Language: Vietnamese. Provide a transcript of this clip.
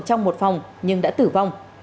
trong một phòng nhưng đã tử vong